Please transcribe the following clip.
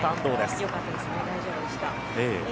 よかったですね、大丈夫でした。